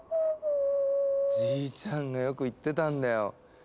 じいちゃんがよく言ってたんだよ。